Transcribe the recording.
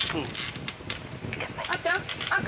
あっちゃん赤赤。